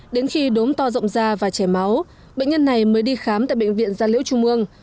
đến khi đốm to rộng da và chảy máu bệnh nhân này mới đi khám tại bệnh viện gia liễu trung mương